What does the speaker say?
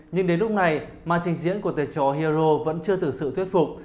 nhưng đến lúc này mà trình diễn của tên chó hero vẫn chưa thực sự thuyết phục